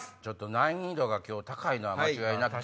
難易度が今日高いのは間違いなくて。